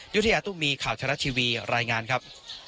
ยุธยาตุ้มีข่าวชะละทีวีรายงานครับ